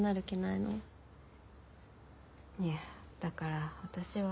いやだから私は。